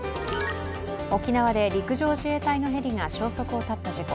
沖縄で陸上自衛隊のヘリが消息を絶った事故。